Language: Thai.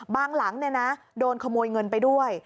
บางหลังเนี่ยนะโดนขโมยเงินไปด้วย